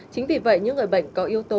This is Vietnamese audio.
chính vì vậy những người bệnh có yếu tố